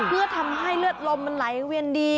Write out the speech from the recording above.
เพื่อทำให้เลือดลมมันไหลเวียนดี